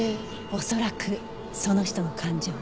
恐らくその人の感情。